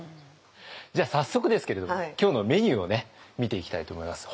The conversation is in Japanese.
じゃあ早速ですけれども今日のメニューを見ていきたいと思います。